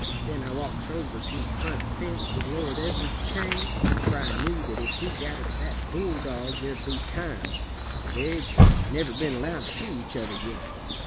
Then I walks over to the front fence with Lord Edward's chain, for I knew that if he got at that bulldog there'd be times, for they'd never been allowed to see each other yet.